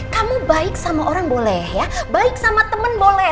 kamu baik sama orang boleh ya baik sama temen boleh